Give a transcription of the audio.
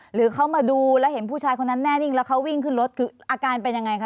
หรือเขามาดูแล้วเห็นผู้ชายคนนั้นแน่นิ่งแล้วเขาวิ่งขึ้นรถคืออาการเป็นยังไงคะ